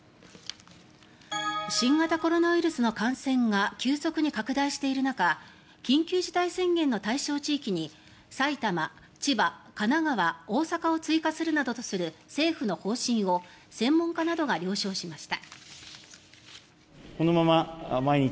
新型コロナウイルスの感染が急速に拡大している中緊急事態宣言の対象地域に埼玉、千葉、神奈川、大阪を追加するなどとする政府の方針を専門家などが了承しました。